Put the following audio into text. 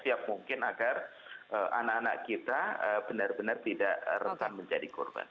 siap mungkin agar anak anak kita benar benar tidak rentan menjadi korban